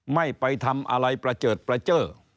ไม่ไปทำอะไรประเจิดประเจอ